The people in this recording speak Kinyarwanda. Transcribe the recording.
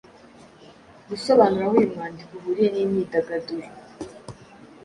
Sobanura aho uyu mwandiko uhuriye n’imyidagaduro.